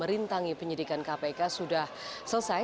merintangi penyidikan kpk sudah selesai